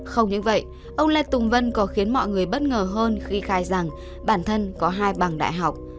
không những vậy ông lê tùng vân còn khiến mọi người bất ngờ hơn khi khai rằng bản thân có hai bằng đại học